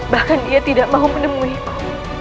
bahkan dia tidak mau menemui